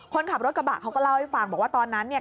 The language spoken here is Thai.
คนขับรถกระบะเขาก็เล่าให้ฟังบอกว่าตอนนั้นเนี่ย